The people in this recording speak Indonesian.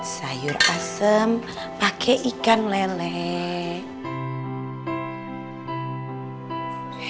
sayur asem pakai ikan lele